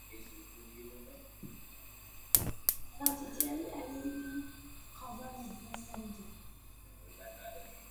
Quaternary alluvium covers the center.